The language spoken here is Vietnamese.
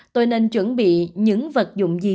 tôi nên chuẩn bị những vật dụng gì